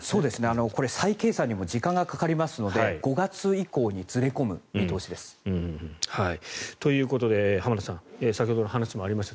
再計算にも時間がかかりますので５月以降にずれ込む見通しです。ということで浜田さん先ほどの話にもありました